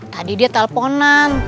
tadi dia telponan